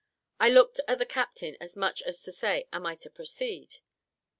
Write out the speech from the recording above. I looked at the captain, as much as to say, "Am I to proceed?"